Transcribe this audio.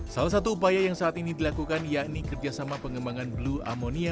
salah satu upaya yang saat ini dilakukan yakni kerjasama pengembangan blue amonia